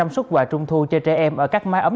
năm trăm linh xuất quà trung thu cho trẻ em ở các máy ấm